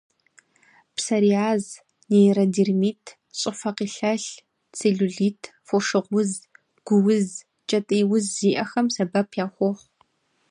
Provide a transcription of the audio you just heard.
Псориаз, нейродермит, щӏыфэ къилъэлъ, целлюлит, фошыгъу уз, гу уз, кӏэтӏий уз зиӏэхэм сэбэп яхуохъу.